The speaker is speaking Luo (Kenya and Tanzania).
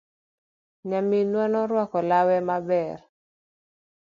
Nyaminwa norwako lawe maber.